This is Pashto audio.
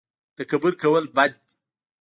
تکبر کول بد دي